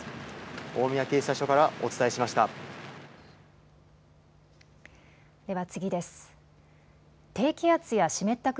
大宮警察署からお伝えしました。